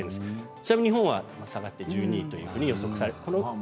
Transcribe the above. ちなみに日本は下がって１２位というふうに予測されています。